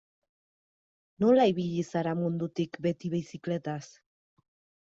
Nola ibili zara mundutik beti bizikletaz?